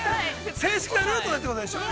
正式なルートでということでしょう？